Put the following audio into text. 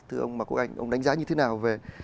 thưa ông mạc quốc anh ông đánh giá như thế nào